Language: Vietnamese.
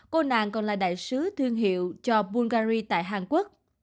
cô nàng còn là đại sứ thương hiệu cho bungary tại hàn quốc